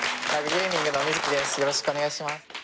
よろしくお願いします。